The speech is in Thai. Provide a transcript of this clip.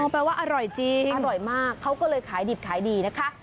แปลว่าอร่อยจริงอร่อยมากเขาก็เลยขายดิบขายดีนะคะ